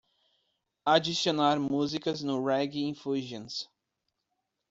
adicionar músicas no Reggae Infusions